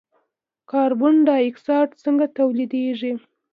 کاربن ډای اکساید څنګه تولیدیږي.